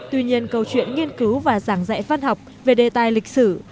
tuy nhiên câu chuyện nghiên cứu và giảng dạy văn học về đề tài lịch sử